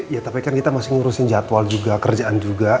ya tapi kan kita masih ngurusin jadwal juga kerjaan juga